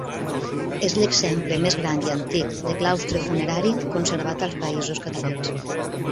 És l'exemple més gran i antic de claustre funerari conservat als Països Catalans.